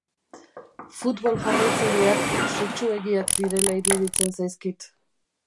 Futbol jarraitzaileak sutsuegiak direla iruditzen zaizkit.